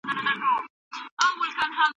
خلک د ناپوهۍ ستونزې لیدلې وې.